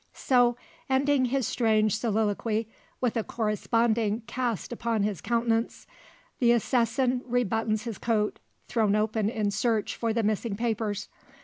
So ending his strange soliloquy, with a corresponding cast upon his countenance, the assassin rebuttons his coat thrown open in search for the missing papers.